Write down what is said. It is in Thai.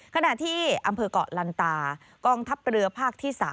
ขณะที่อำเภอกรรตากองทัพเรือภาคที่๓